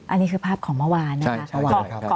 อันนี้คือภาพของเมื่อวานนะคะ